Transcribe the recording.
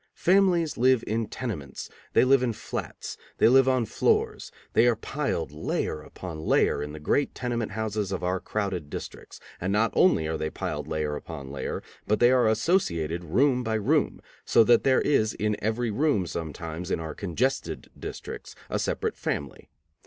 Families live in tenements, they live in flats, they live on floors; they are piled layer upon layer in the great tenement houses of our crowded districts, and not only are they piled layer upon layer, but they are associated room by room, so that there is in every room, sometimes, in our congested districts, a separate family.